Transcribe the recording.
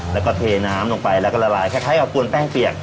แล้วก็เทน้ำลงไปแล้วก็ละลายคล้ายกับกวนแป้งเปียก